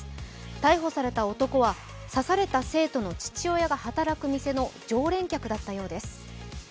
逮捕された男は、刺された生徒の父親が働く店の常連客だったようです。